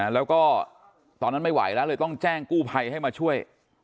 แล้วก็ตอนนั้นไม่ไหวแล้วเลยต้องแจ้งกู้ภัยให้มาช่วย